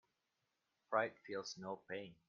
Pride feels no pain.